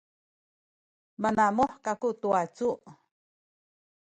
manamuh kaku tu wacu